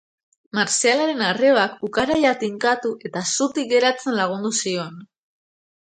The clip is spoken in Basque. Marcialen arrebak ukaraia tinkatu eta zutik geratzen lagundu zion.